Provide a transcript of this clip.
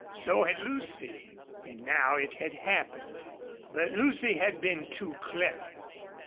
So had Lucy. And now it had happened. But Lucy had been too clever.